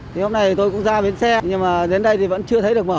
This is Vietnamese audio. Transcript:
thì hôm nay tôi cũng ra bến xe nhưng mà đến đây thì vẫn chưa thấy được mở